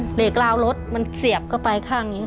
เหล็กราวรถมันเสียบเข้าไปข้างนี้